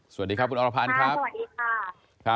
สวัสดีครับคุณอรพันธ์ครับสวัสดีค่ะ